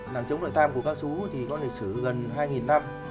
làng trống đoại tam của các chú thì có lịch sử gần hai năm